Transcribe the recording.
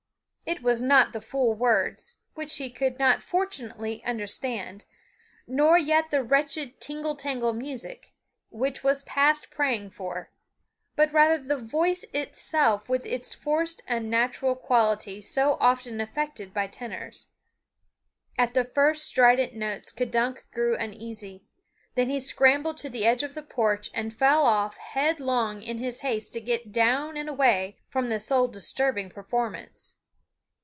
It was not the fool words, which he could not fortunately understand, nor yet the wretched tingle tangle music, which was past praying for, but rather the voice itself with its forced unnatural quality so often affected by tenors. At the first strident notes K'dunk grew uneasy. Then he scrambled to the edge of the porch and fell off headlong in his haste to get down and away from the soul disturbing performance.